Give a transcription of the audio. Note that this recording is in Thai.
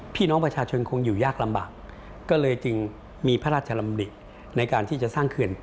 พี่น้องประชาชนคงอยู่ยากลำบาก